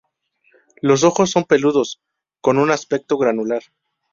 Los ojos son peludos con un aspecto granular.